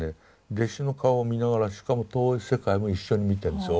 弟子の顔を見ながらしかも遠い世界も一緒に見てるんですよ